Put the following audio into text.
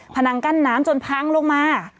นังกั้นน้ำจนพังลงมา